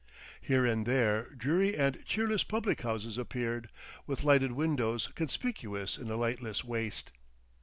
Here and there dreary and cheerless public houses appeared, with lighted windows conspicuous in a lightless waste.